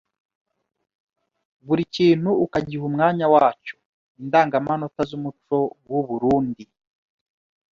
buri kintu ukagiha umwanya wacyo. Indangamanota z’umuco w’u Burunndi